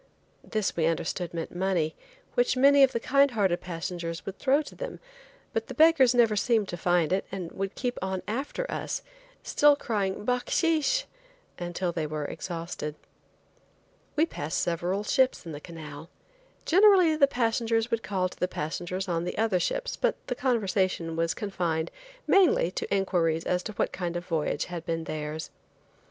This we understood meant money, which many of the kind hearted passengers would throw to them, but the beggars never seemed to find it, and would keep on after us, still crying, "bahkshish" until they were exhausted. We passed several ships in the canal. Generally the passengers would call to the passengers on the other ships, but the conversation was confined mainly to inquiries as to what kind of a voyage had been theirs.